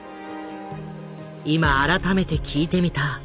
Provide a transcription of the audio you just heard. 今改めて聞いてみた。